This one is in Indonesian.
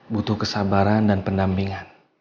butuh kesabaran dan pendampingan